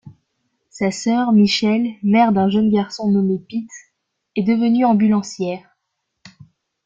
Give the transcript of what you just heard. Sa sœur, Michelle, mère d'un jeune garçon nommé Pete, est devenue ambulancière.